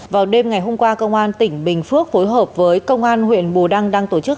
vào đêm ngày hôm qua công an tỉnh bình phước phối hợp với công an huyện bù đăng đang tổ chức